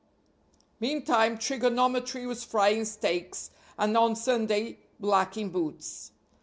Meantime Trigonometry was frying steaks and on Sunday blacking boots.